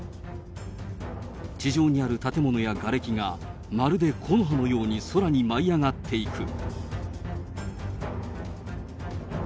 地上にある建物やがれきが、まるで木の葉のように空に舞い上がっていく。